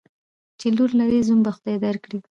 چی لور لرې ، زوم به خدای در کړي.